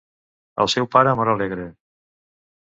El seu pare mor alegre.